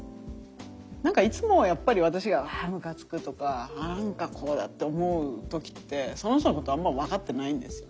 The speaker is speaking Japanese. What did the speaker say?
何かいつもやっぱり私があむかつくとか何かこうだって思う時ってその人のことあんまり分かってないんですよね。